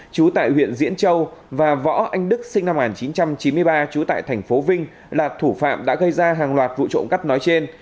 chú tại huyện diễn châu và võ anh đức sinh năm một nghìn chín trăm chín mươi ba trú tại thành phố vinh là thủ phạm đã gây ra hàng loạt vụ trộm cắp nói trên